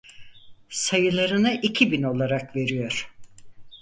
Sayılarını iki bin olarak veriyor.